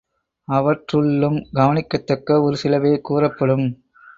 அவற்றுள்ளும் கவனிக்கத்தக்க ஒரு சிலவே, கூறப்படும்.